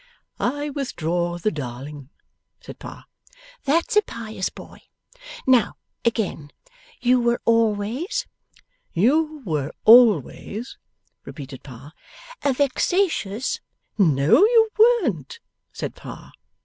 'I withdraw the darling,' said Pa. 'That's a pious boy! Now again: You were always ' 'You were always,' repeated Pa. 'A vexatious ' 'No you weren't,' said Pa.